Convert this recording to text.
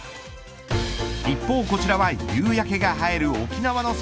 一方こちらは夕焼けが映える沖縄の空。